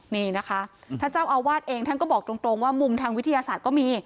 นี่นะคะท่านเจ้าอาวาสเองท่านก็บอกตรงว่ามุมทางวิทยาศาสตร์ก็มี